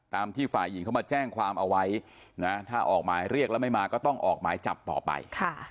ที่ฝ่ายหญิงเขามาแจ้งความเอาไว้นะถ้าออกหมายเรียกแล้วไม่มาก็ต้องออกหมายจับต่อไป